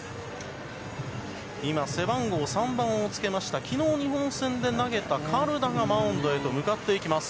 今、背番号３番をつけました昨日、日本戦で投げたカルダがマウンドへ向かっていきます。